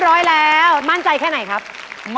อุปกรณ์ทำสวนชนิดใดราคาถูกที่สุด